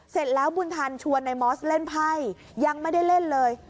เสร็จแล้วบุญทันชวนในมอสเล่นไพ่ยังไม่ได้เล่นเลย